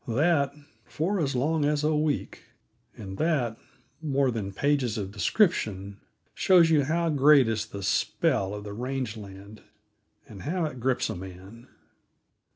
That, for as long as a week; and that, more than pages of description, shows you how great is the spell of the range land, and how it grips a man.